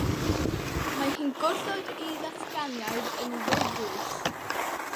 Mae hi'n gwrthod ei ddatganiad yn ddidwyll.